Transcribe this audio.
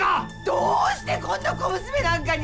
どうしてこんな小娘なんかに。